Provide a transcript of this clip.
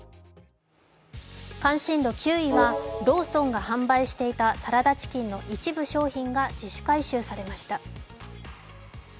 関心度９位はローソンが販売していたサラダチキンの一部商品が自主回収されました。